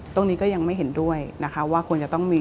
ตรงนี้ก็ยังไม่เห็นด้วยนะคะว่าควรจะต้องมี